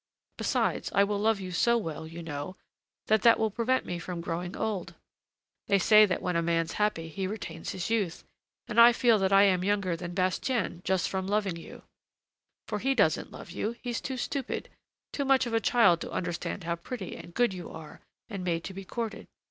Besides, I will love you so well, you know, that that will prevent me from growing old. They say that when a man's happy he retains his youth, and I feel that I am younger than Bastien just from loving you; for he doesn't love you, he's too stupid, too much of a child to understand how pretty and good you are, and made to be courted.